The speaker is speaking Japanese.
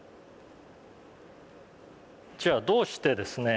じゃあどうしてですね